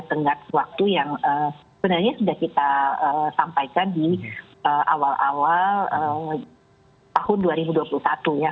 tenggat waktu yang sebenarnya sudah kita sampaikan di awal awal tahun dua ribu dua puluh satu ya